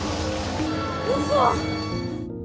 うそ！